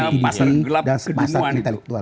pasar gelap kedunguan